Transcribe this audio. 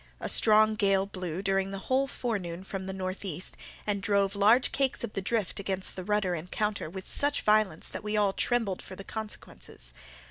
A strong gale blew, during the whole forenoon, from the northeast, and drove large cakes of the drift against the rudder and counter with such violence that we all trembled for the consequences.